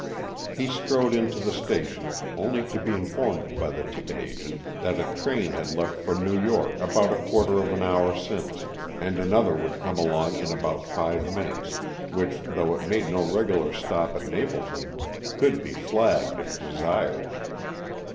He strode into the station, only to be informed by the ticket agent that a train had left for New York about a quarter of an hour since, and another would come along in about five minutes, which, though it made no regular stop at Mapleton, could be flagged if desired.